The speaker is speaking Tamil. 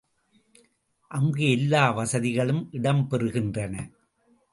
அங்கு எல்லா வசதிகளும் இடம் பெறுகின்றன.